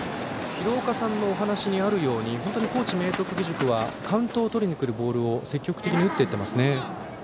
廣岡さんのお話にあるように本当に高知・明徳義塾はカウントをとりにくるボールを積極的に打っていますね。